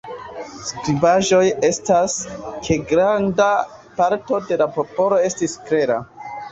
Skribaĵoj atestas, ke granda parto de la popolo estis klera.